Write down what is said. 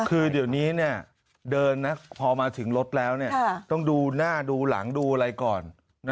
คือเดี๋ยวนี้เดินนะพอมาถึงรถแล้วต้องดูหน้าดูหลังดูอะไรก่อน